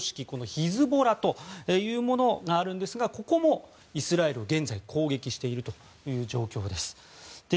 ヒズボラというものがあるんですがここもイスラエルを現在攻撃しているという状況です。